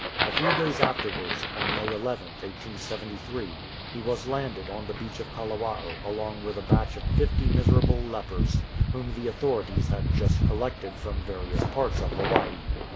A few days afterwards, on May 11th, 1873, he was landed on the beach of Kalawao along with a batch of fifty miserable lepers, whom the authorities had just col lected from various parts of Hawaii.